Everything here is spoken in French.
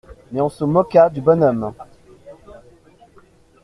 Mais on se moqua du bonhomme.